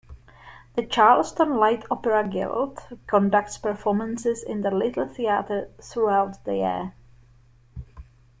The Charleston Light Opera Guild conducts performances in the Little Theater throughout the year.